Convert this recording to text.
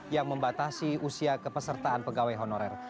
yang membatasi usia kepesertaan pegawai honorer